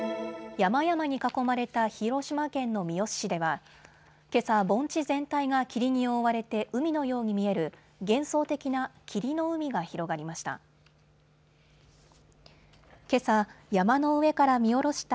山々に囲まれた広島県の三次市ではけさ盆地全体が霧に覆われて海のように見える幻想的な霧の海が広がりました。